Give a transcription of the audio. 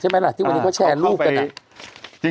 ไหมล่ะที่วันนี้เขาแชร์รูปกันอ่ะ